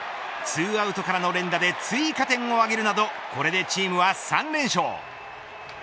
２アウトからの連打で追加点を挙げるなどこれでチームは３連勝。